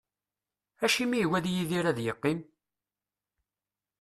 Acimi yugi ad Yidir ad yeqqim?